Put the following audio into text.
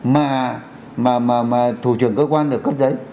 mà thủ trưởng cơ quan được cấp giấy